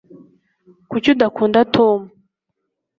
kuki udakunda tom